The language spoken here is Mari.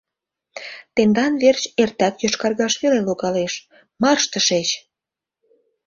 Тендан верч эртак йошкаргаш веле логалеш... марш тышеч!..